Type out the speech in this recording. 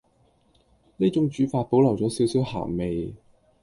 呢種煮法保留左少少鹹味